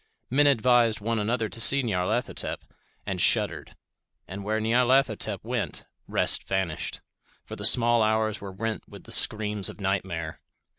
Men advised one another to see Nyarlathotep, and shuddered. And where Nyarlathotep went, rest vanished; for the small hours were rent with the screams of nightmare.